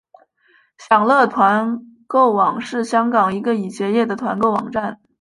享乐团购网是香港一个已结业的团购网站。